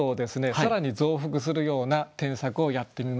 更に増幅するような添削をやってみます。